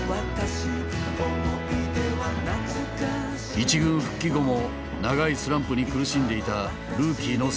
１軍復帰後も長いスランプに苦しんでいたルーキーの佐藤。